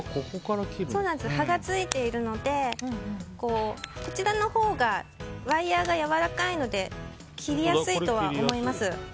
葉がついているのでこちらのほうがワイヤがやわらかいので切りやすいとは思います。